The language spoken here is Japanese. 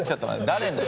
誰の？